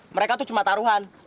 mereka tuh cuma taruhan